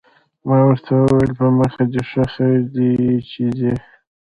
ما ورته وویل: په مخه دې ښه، خیر دی چې ځې.